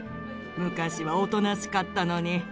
昔はおとなしかったのにご覧なさい